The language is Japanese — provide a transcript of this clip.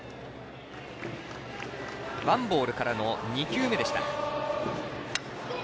ワンボールからの２球目でした。